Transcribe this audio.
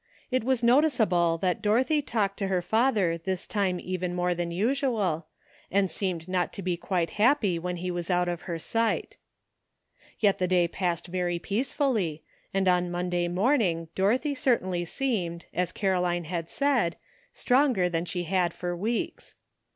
It was noticeable that Dorothy talked to her father ANOTHER ''SIDE TRACK.'' 857 this time even more than usual, and seemed not to be quite happy when he was out of her sight. Yet the day passed very peacefully, and on Monday morning Dorothy certainly seemed, as Caroline had said, stronger than she had for weeks.